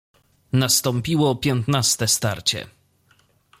"Nastąpiło piętnaste starcie."